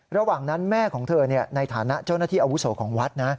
ระหว่างนั้นแม่ของเธอในฐานะเจ้าหน้าที่อาวุโสของวัดนะ